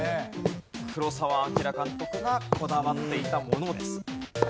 黒澤明監督がこだわっていたものです。